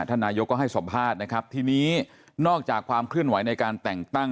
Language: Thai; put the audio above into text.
นายกก็ให้สัมภาษณ์นะครับทีนี้นอกจากความเคลื่อนไหวในการแต่งตั้ง